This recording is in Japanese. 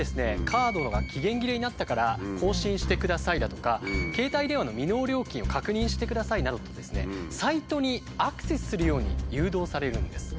カードが期限切れになったから更新してくださいだとか携帯電話の未納料金を確認してくださいなどとサイトにアクセスするように誘導されるんです。